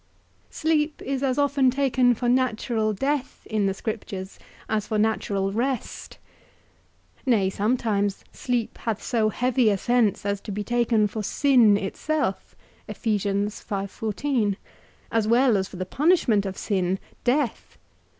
Sleep is as often taken for natural death in thy Scriptures, as for natural rest. Nay, sometimes sleep hath so heavy a sense, as to be taken for sin itself, as well as for the punishment of sin, death.